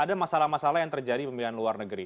ada masalah masalah yang terjadi pemilihan luar negeri